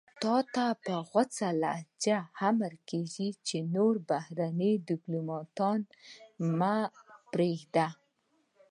تاته په غوڅه لهجه امر کېږي چې نور بهرني دیپلوماتان مه پرېږدئ.